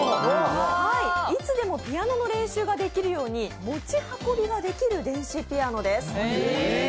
いつでもピアノの練習ができるように持ち運びができる電子ピアノです。